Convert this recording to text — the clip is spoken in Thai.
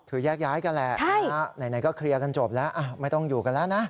คือแยกย้ายกันแหละไหนก็เคลียร์กันจบแล้วไม่ต้องอยู่กันแล้วนะ